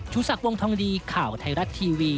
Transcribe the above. สักวงทองดีข่าวไทยรัฐทีวี